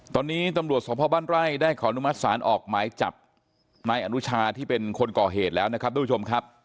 ตอนนี้ตำรวจสมภาพบ้านไร่ได้ขออนุมัติศาลออกหมายจับนายอนุชาที่เป็นคนก่อเหตุแล้วนะครับทุกผู้ชมครับ